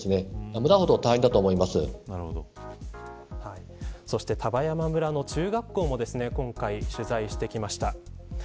村だと丹波山村の中学校も今回、取材してきました。